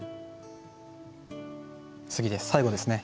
次で最後ですね。